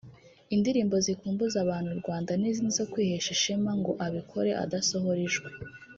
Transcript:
indirimbo zikumbuza abantu u Rwanda n’izindi zo kwihesha ishema ngo abikore adasohora ijwi